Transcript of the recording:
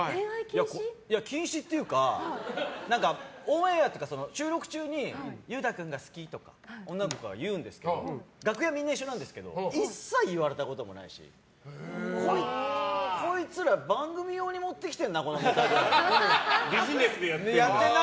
禁止っていうかオンエアとか収録中に裕太君が好きとか女の子から言うんですけど楽屋はみんな一緒なんですけど一切、言われたこともないしこいつら番組用に持ってきてるなみたいな。